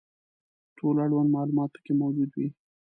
ټول اړوند معلومات پکې موجود وي.